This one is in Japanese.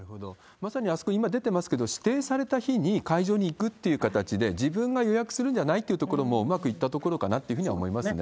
まさにあそこ、今、出てますけれども、指定された日に会場に行くっていう形で、自分が予約するんじゃないっていうところも、うまくいったところじゃないかなと思いますね。